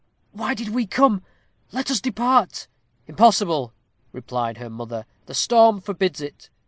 Why did we come? let us depart." "Impossible!" replied her mother; "the storm forbids it.